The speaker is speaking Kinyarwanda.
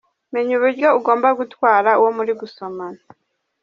Menya uburyo ugomba gutwara uwo muri gusomana :.